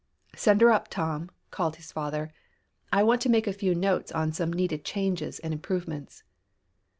"Send her up, Tom," called his father. "I want to make a few notes on some needed changes and improvements."